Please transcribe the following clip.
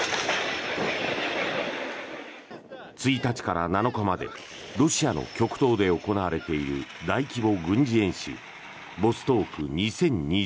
１日から７日までロシアの極東で行われている大規模軍事演習ボストーク２０２２。